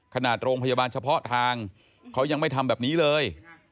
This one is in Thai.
โรงพยาบาลเฉพาะทางเขายังไม่ทำแบบนี้เลย